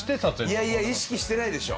いやいや意識してないでしょ。